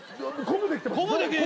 こぶできてます。